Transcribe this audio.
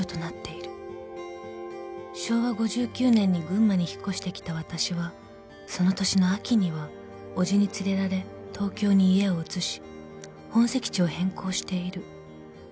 ［昭和５９年に群馬に引っ越してきたわたしはその年の秋には伯父に連れられ東京に家を移し本籍地を変更している］